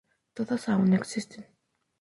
Todas aún existen.